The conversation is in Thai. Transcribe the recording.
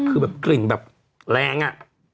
คือแบบกลิ่นแบบแรงอะ